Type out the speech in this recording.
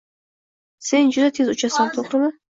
— Sen juda tez uchasan, to‘g‘rimi?